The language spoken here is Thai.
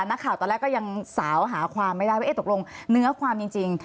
นักข่าวตอนแรกก็ยังสาวหาความไม่ได้ว่าตกลงเนื้อความจริง